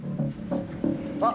あ！